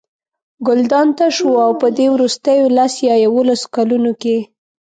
ګلدان تش و او په دې وروستیو لس یا یوولسو کلونو کې.